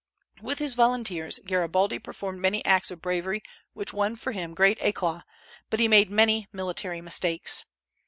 With his volunteers Garibaldi performed many acts of bravery which won for him great éclat; but he made many military mistakes.